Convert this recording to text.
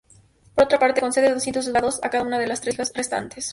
Por otra parte, concede doscientos ducados a cada uno de los tres hijos restantes.